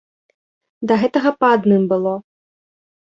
Да гэтага па адным было.